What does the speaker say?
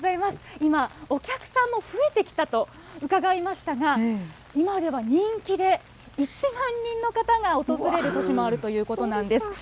今、お客さんも増えてきたと伺いましたが、今では人気で、１万人の方が訪れる年もあるということなんです。